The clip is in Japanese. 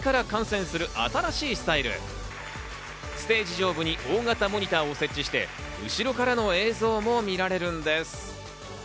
上部に大型モニターを設置して、後ろからの映像も見られるんです。